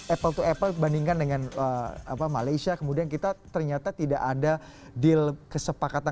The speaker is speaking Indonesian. apple to apple bandingkan dengan malaysia kemudian kita ternyata tidak ada deal kesepakatan